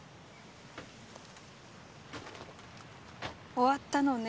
終わったのね